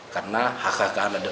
karena hak hak keanadaan